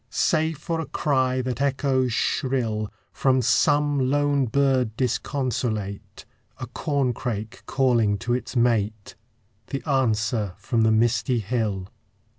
Save for a cry that echoes shrill From some lone bird disconsolate; A corncrake calling to its mate; The answer from the misty hill.